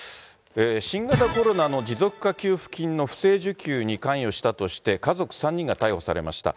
新型コロナの持続化給付金の不正受給に関与したとして、家族３人が逮捕されました。